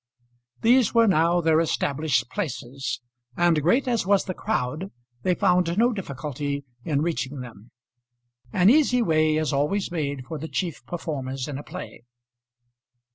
These were now their established places, and great as was the crowd, they found no difficulty in reaching them. An easy way is always made for the chief performers in a play.